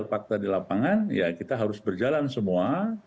fakta di lapangan ya kita harus berjalan semua